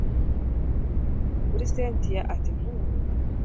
kuri cyntia ati hhhm